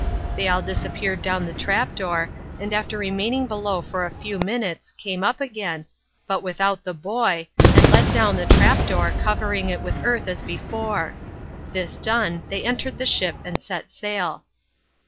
They all disappeared down the trapdoor, and after remaining below for a few minutes came up again, but without the boy, and let down the trapdoor, covering it with earth as before. This done, they entered the ship and set sail.